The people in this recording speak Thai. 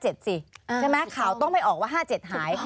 ใช่ไหมข่าวต้องไม่ออกว่า๕๗หาย